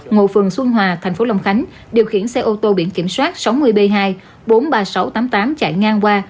ngồi phường xuân hòa thành phố long khánh điều khiển xe ô tô biển kiểm soát sáu mươi b hai bốn mươi ba nghìn sáu trăm tám mươi tám chạy ngang qua